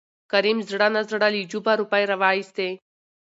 کريم زړه نازړه له جوبه روپۍ راوېستې.